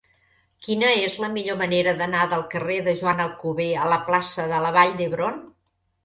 Quina és la millor manera d'anar del carrer de Joan Alcover a la plaça de la Vall d'Hebron?